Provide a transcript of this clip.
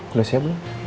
udah siap belum